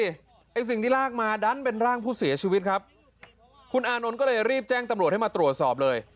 ไอ้สิ่งที่ลากมาดันเป็นร่างผู้เสียชีวิตครับคุณอานนท์ก็เลยรีบแจ้งตำรวจให้มาตรวจสอบเลย